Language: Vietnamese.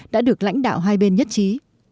đã được lãnh đạo hai bên nhất trí